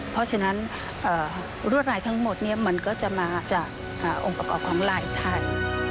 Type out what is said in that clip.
เพราะฉะนั้นรวดลายทั้งหมดมันก็จะมาจากองค์ประกอบของลายไทย